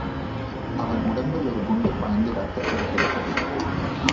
அவன் உடம்பில் ஒரு குண்டு பாய்ந்து இரத்தப் பெருக்கெடுத்தது.